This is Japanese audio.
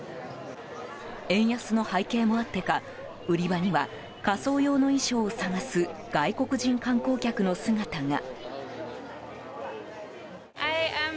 円安の背景もあってか売り場には仮装用の衣装を探す外国人観光客の姿が。